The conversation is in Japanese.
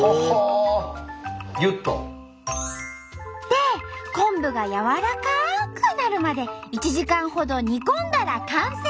で昆布が軟らかくなるまで１時間ほど煮込んだら完成！